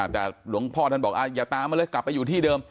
แต่หลวงพ่อท่านบอกอย่าตามมันเลยกลับไปอยู่ที่เดิม